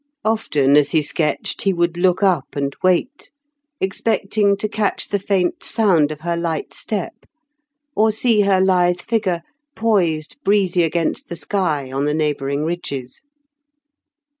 Often as he sketched he would look up and wait, expecting to catch the faint sound of her light step, or see her lithe figure poised breezy against the sky on the neighbouring ridges.